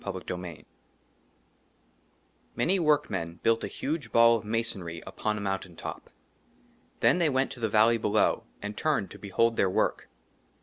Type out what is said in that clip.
31 XXXI MANY WORKMEN BUILT A HUGE BALL OF MASONRY UPON A MOUNTAIN TOP. THEN THEY WENT TO THE VALLEY BELOW, AND TURNED TO BEHOLD THEIR WORK.